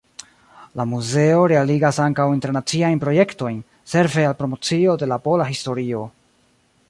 La muzeo realigas ankaŭ internaciajn projektojn, serve al promocio de la pola historio.